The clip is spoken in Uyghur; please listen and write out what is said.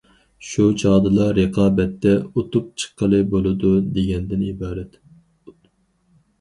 شۇ چاغدىلا رىقابەتتە ئۇتۇپ چىققىلى بولىدۇ، دېگەندىن ئىبارەت.